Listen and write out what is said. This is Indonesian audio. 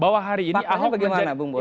faktanya bagaimana bung boli